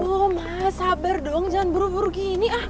aduh mas sabar dong jangan buru buru gini